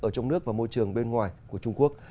ở trong nước và môi trường bên ngoài của trung quốc